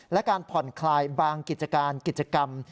และการผ่อนคลายบางกิจกรรม